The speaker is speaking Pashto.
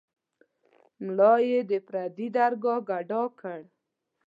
ملا یې د پردي درګاه ګدا کړ.